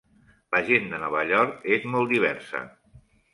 La gent de Nova York és molt diversa.